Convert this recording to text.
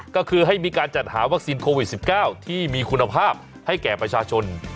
ก็คือให้มีการจัดหาวัคซีนโควิด๑๙ที่มีคุณภาพให้แก่ประชาชน